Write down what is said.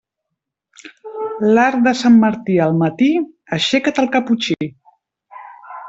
L'arc de Sant Martí al matí, aixeca't el caputxí.